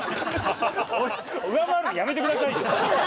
上回るのやめてくださいよ。